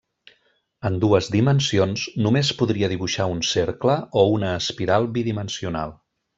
En dues dimensions, només podria dibuixar un cercle, o una espiral bidimensional.